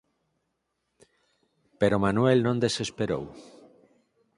Pero Manuel non desesperou.